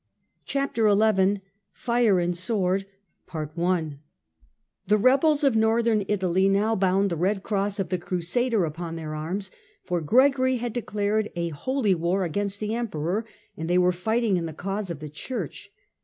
Chapter XI FIRE AND SWORD I rebels of Northern Italy now bound the red cross of the Crusader upon their arms, for Gregory had declared a Holy War against the Emperor and they were fighting in the cause of the Church.